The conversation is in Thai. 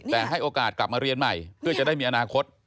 แต่ให้โอกาสกลับมาเรียนใหม่เพื่อจะได้มีอนาคต